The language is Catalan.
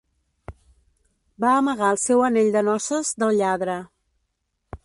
Va amagar el seu anell de noces del lladre.